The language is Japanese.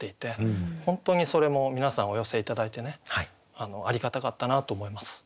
本当にそれも皆さんお寄せ頂いてねありがたかったなと思います。